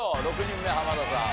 ６人目濱田さん